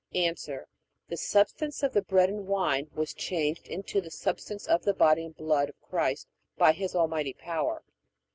A. The substance of the bread and wine was changed into the substance of the body and blood of Christ by His almighty power.